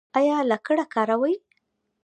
ایا لکړه کاروئ؟